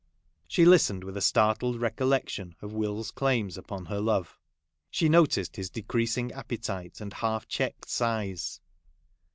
She listened with a startled recollection of Will's claims upon her love. She noticed his decreasing appetite, and half checked sighs.